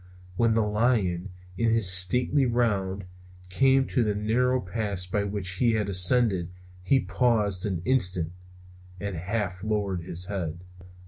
When the lion, in his stately round, came to the narrow pass by which he had ascended he paused an instant, and half lowered his head.